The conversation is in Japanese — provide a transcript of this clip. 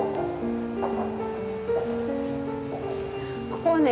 ここはね